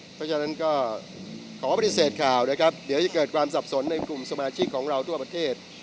เพราะฉะนั้นก็ขอปฏิเสธข่าวนะครับเดี๋ยวจะเกิดความสับสนในกลุ่มสมาชิกของเราทั่วประเทศ